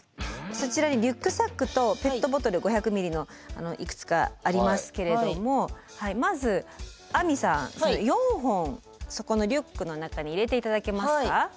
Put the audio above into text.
そちらにリュックサックとペットボトル５００ミリのいくつかありますけれどもまず亜美さん４本そこのリュックの中に入れて頂けますか。